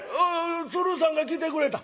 鶴さんが来てくれた。